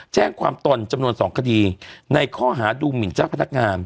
แจ้งความตนจำนวน๒คดีในข้อหาดูหมินเจ้าพนักงาน